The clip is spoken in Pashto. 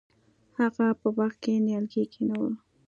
هغه په باغ کې نیالګي کینول.